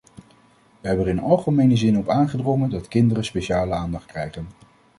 We hebben er in algemene zin op aangedrongen dat kinderen speciale aandacht krijgen.